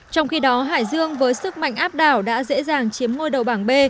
trong khi đó hải dương với sức mạnh áp đảo đã dễ dàng chiếm ngôi đầu bảng b